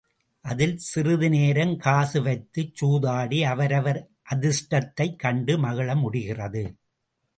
அதில் சிறிது நேரம் காசு வைத்துச் சூதாடி அவரவர் அதிருஷ்டத்தையும் கண்டு மகிழ முடிகிறது.